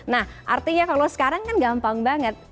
nah artinya kalau sekarang kan gampang banget